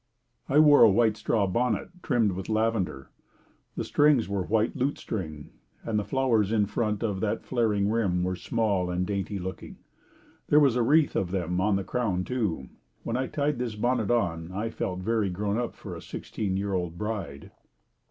I wore a white straw bonnet trimmed with lavender. The strings were white lute string and the flowers in front of the flaring rim were small and dainty looking. There was a wreath of them on the crown too. When I tied this bonnet on, I felt very grown up for a sixteen year old bride.